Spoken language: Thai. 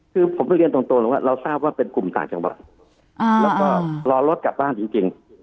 คือผมก็เรียนตรงว่าเราทราบว่าเป็นกลุ่มต่างจังหวัดแล้วก็รอรถกลับบ้านจริง